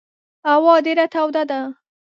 هوا ډېره توده ده.